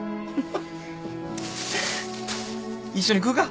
一緒に食うか。